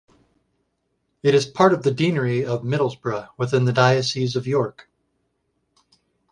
It is part of the Deanery of Middlesbrough within the Diocese of York.